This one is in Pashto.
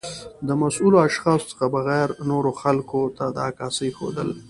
د مسؤلو اشخاصو څخه بغیر و نورو خلګو ته د عکاسۍ ښودل